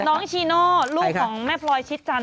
น้องชีโน่ลูกของแม่พลอยชิดจันท